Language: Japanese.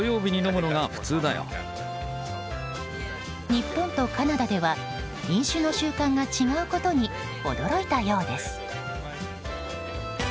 日本とカナダでは飲酒の習慣が違うことに驚いたようです。